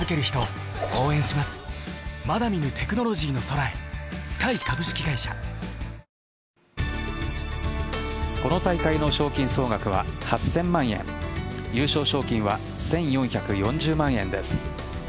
ちょっと、あれほど喜ぶとこの大会の賞金総額は８０００万円優勝賞金は１４４０万円です。